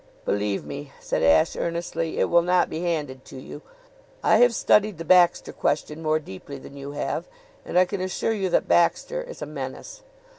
"Believe me," said Ashe earnestly, "it will not be handed to you. I have studied the Baxter question more deeply than you have, and I can assure you that Baxter is a menace.